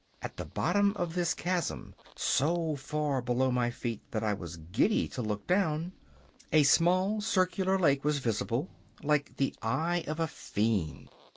At the bottom of this chasm, so far below my feet that I was giddy to look down, a small circular lake was visible, like the eye of a fiend.